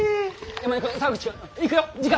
山根君澤口君行くよ時間！